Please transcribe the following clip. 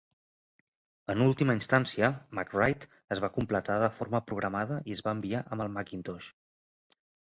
En última instància, MacWrite es va completar de forma programada i es va enviar amb el Macintosh.